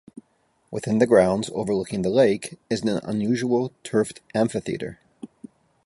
Within the grounds, overlooking the lake, is an unusual turfed amphitheatre.